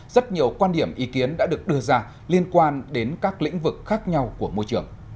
rất nhiều quan điểm ý kiến đã được đưa ra liên quan đến các lĩnh vực khác nhau của môi trường